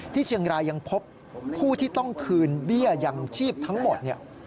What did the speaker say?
ที่เชียงรายยังพบผู้ที่ต้องคืนเบี้ยยังชีพทั้งหมดเนี่ย